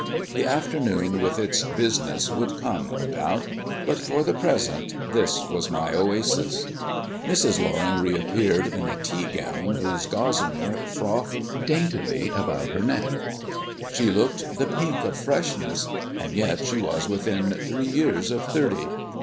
The afternoon with its business would come, no doubt; but for the present this was my oasis. Mrs. Loring reappeared in a tea gown whose gossamer frothed daintily about her neck. She looked the pink of freshness and yet she was within three years of thirty.